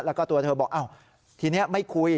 แล้วก็ตัวเธอบอกอ้าวทีนี้ไม่คุย